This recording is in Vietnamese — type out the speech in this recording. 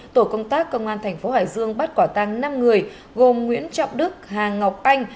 tổ công tác công an thành phố hải dương bắt quả tăng năm người gồm nguyễn trọng đức hà ngọc anh